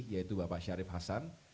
yaitu bapak syarif hasan